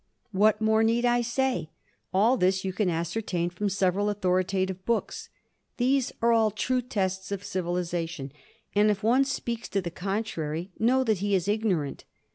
What more need I say? All this you can ascertain from several authoritative books. These are all true tests of civilization. And, if any one speaks to the contrary, know that he is ignorant.